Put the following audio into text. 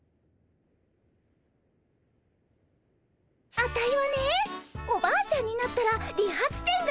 アタイはねおばあちゃんになったら理髪店がしたいねえ。